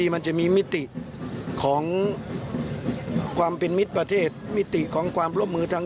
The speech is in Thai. มันจะมีมิติของความเป็นมิตรประเทศมิติของความร่วมมือทาง